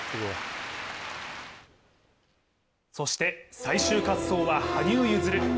そして最終滑走は羽生結弦。